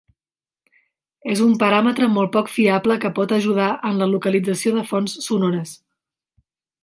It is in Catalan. És un paràmetre molt poc fiable que pot ajudar en la localització de fonts sonores.